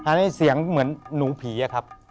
อันนี้เสียงเหมือนหนูผีอะครับ